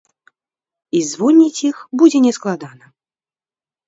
І звольніць іх будзе не складана.